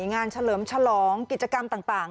เฉลิมฉลองกิจกรรมต่าง